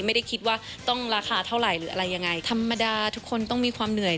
ไม่ได้คิดว่าต้องราคาเท่าไหร่หรืออะไรยังไงธรรมดาทุกคนต้องมีความเหนื่อย